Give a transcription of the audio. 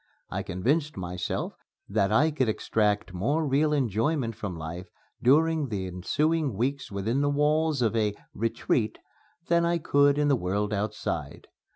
I convinced myself that I could extract more real enjoyment from life during the ensuing weeks within the walls of a "retreat" than I could in the world outside.